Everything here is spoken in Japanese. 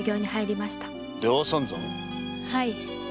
はい。